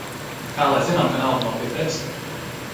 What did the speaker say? Kā lai zinām, ka nauda nav pie tevis?